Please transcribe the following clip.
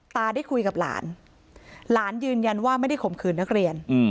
ตาได้คุยกับหลานหลานยืนยันว่าไม่ได้ข่มขืนนักเรียน